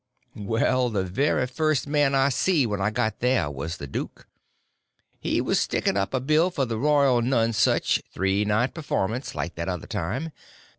Well, the very first man I see when I got there was the duke. He was sticking up a bill for the Royal Nonesuch—three night performance—like that other time.